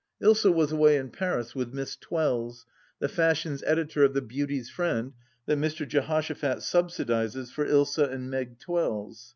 Ilsa was away in Paris with Miss Twells, the Fashions editor of The Beauty's Friend that Mr. Johoshaphat subsidizes for Ilsa and Meg Twells.